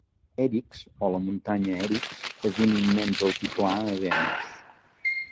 Erix, o la muntanya Erix, és un immens altiplà a Venus.